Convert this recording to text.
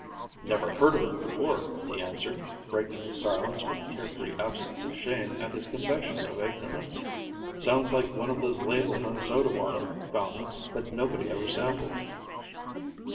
"Never heard of it before," he answered, breaking his silence with a carefree absence of shame at his confession of ignorance. "Sounds like one of those labels on a soda water fountain that nobody ever samples."